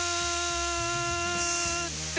って